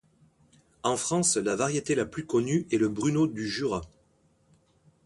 En France, la variété la plus connue est le bruno du Jura.